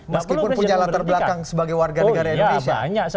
meskipun punya latar belakang sebagai warga negara indonesia